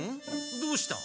どうした？